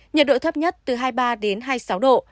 nhiệt độ thấp nhất từ hai mươi ba đến hai mươi sáu độ